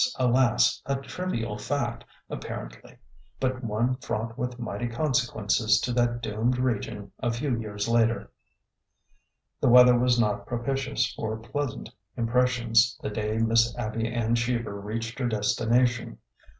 Alas ! A trivial fact, apparently, but one fraught with mighty consequences to that doomed region a few years later. The weather was not propitious for pleasant impres sions the day Miss Abby Ann Cheever reached her desti nation.